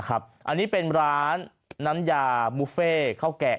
อันนี้เป็นร้านน้ำยาบุฟเฟ่ข้าวแกะ